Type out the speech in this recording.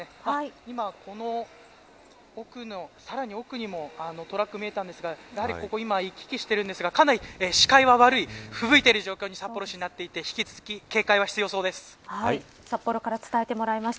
今この奥のさらに奥にもトラック見えたんですがここを行き来してるんですがかなり視界が悪いふぶいている状況に札幌はなっていて札幌から伝えてもらいました。